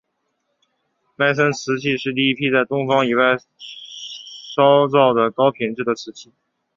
迈森瓷器是第一批在东方以外烧造的高品质的瓷器。